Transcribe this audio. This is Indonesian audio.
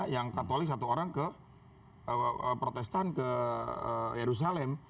yang katolik satu orang ke protestan ke yerusalem